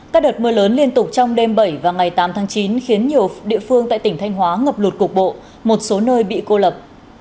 các đợt mưa lớn liên tục trong đêm bảy và ngày tám tháng chín khiến nhiều địa phương tại tỉnh thanh hóa ngập lụt cục bộ một số nơi bị cô lập